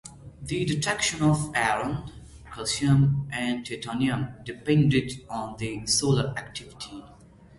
The detection of iron, calcium and titanium depended on the solar activity.